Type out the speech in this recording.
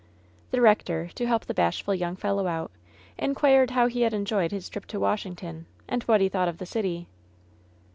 The rector, to help the bashful yonng fellow out, in quired how he had enjoyed his trip to Washington, and what he thought of the city.